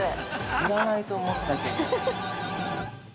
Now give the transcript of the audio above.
◆要らないと思ったけど。